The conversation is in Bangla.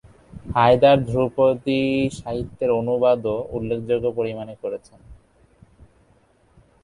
হায়দার ধ্রুপদী সাহিত্যের অনুবাদও উল্লেখযোগ্য পরিমাণে করেছেন।